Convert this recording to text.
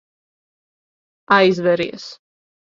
Aizveries.